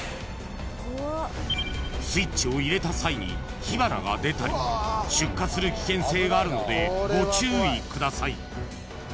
［スイッチを入れた際に火花が出たり出火する危険性があるのでご注意ください］